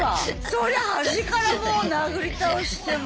そりゃ端からもう殴り倒してもう。